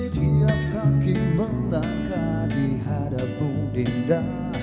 tiap kaki melangkah di hadapun dinda